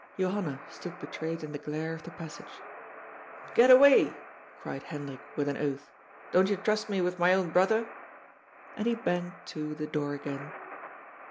Johanna stood betrayed in the glare of the passage. '* Get away," cried Hendrik with an oath. " Don't you trust me with my own brother ?" And he banged to the door again.